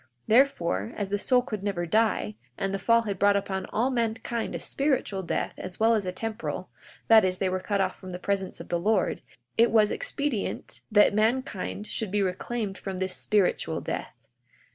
42:9 Therefore, as the soul could never die, and the fall had brought upon all mankind a spiritual death as well as a temporal, that is, they were cut off from the presence of the Lord, it was expedient that mankind should be reclaimed from this spiritual death.